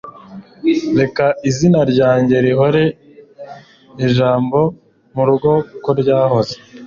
reka izina ryanjye rihore ijambo murugo ko ryahoze